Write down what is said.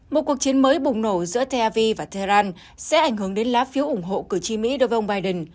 một cuộc chiến mới bùng nổ giữa tehavi và tehran sẽ ảnh hưởng đến lá phiếu ủng hộ cử tri mỹ đối với ông biden